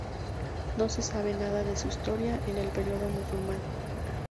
No se sabe nada de su historia en el periodo musulmán.